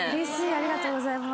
ありがとうございます。